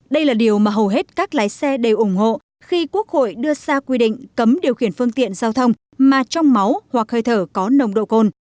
đây là điều mà hầu hết các lái xe đều ủng hộ khi quốc hội đưa ra quy định cấm điều khiển phương tiện giao thông mà trong máu hoặc hơi thở có nồng độ cồn